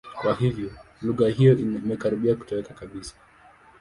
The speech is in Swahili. Kwa hiyo, lugha hiyo imekaribia kutoweka kabisa.